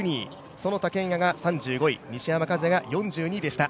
其田健也が３５位、西山和弥が４２位でした。